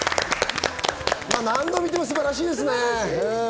何度見ても素晴らしいですね。